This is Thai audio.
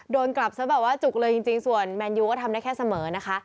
โดนกลับซะแบบว่าจุกเลยจริงส่วนแมนยูก็ทำได้แค่เสมอนะคะ